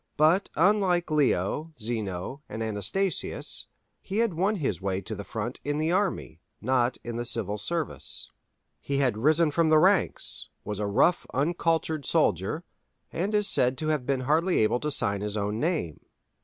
But unlike Leo, Zeno, and Anastasius, he had won his way to the front in the army, not in the civil service. He had risen from the ranks, was a rough uncultured soldier, and is said to have been hardly able to sign his own name.